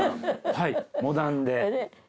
はいモダンで。